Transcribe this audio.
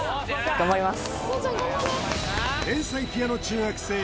頑張ります